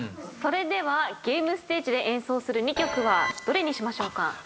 それではゲームステージで演奏する２曲はどれにしましょうか？